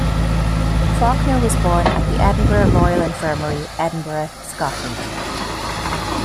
Faulkner was born at the Edinburgh Royal Infirmary, Edinburgh, Scotland.